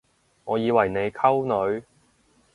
我以為你溝女